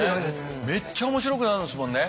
めっちゃ面白くなるんですもんね。